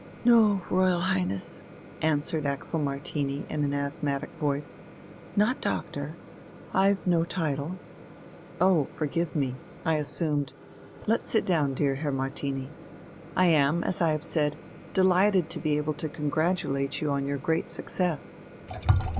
"No, Royal Highness," answered Axel Martini in an asthmatic voice, "not doctor, I've no title." "Oh, forgive me ... I assumed ... Let's sit down, dear Herr Martini. I am, as I have said, delighted to be able to congratulate you on your great success...."